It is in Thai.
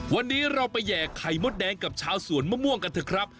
วันนี้เราไปแห่ไข่มดแดงกับชาวสวนมะม่วงกันเถอะครับ